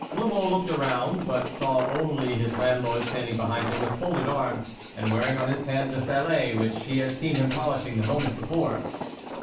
La Mole looked around, but saw only his landlord standing behind him with folded arms and wearing on his head the sallet which he had seen him polishing the moment before.